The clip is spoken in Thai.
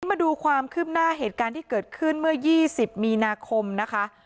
มาดูความคืบหน้าเหตุการณ์ที่เกิดขึ้นเมื่อ๒๐มีนาคมนะคะ